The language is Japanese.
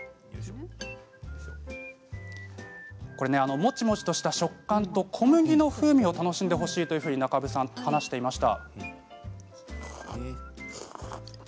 もちもちとした食感と小麦の風味を楽しんでほしいと中武さんが話していました。